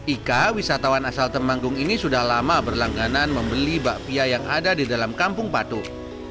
ika wisatawan asal temanggung ini sudah lama berlangganan membeli bakpia yang ada di dalam kampung patuk